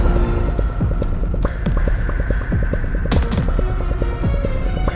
aku harus cari senjata lain untuk benar benar menghancurkan mereka berdua